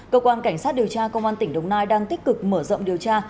cơ quan cảnh sát điều tra công an tỉnh đồng nai đang tích cực mở rộng điều tra